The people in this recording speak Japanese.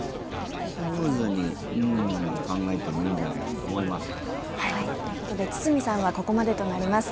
スムーズに考えてもいいんじゃないかと思いますが。ということで堤さんはここまでとなります。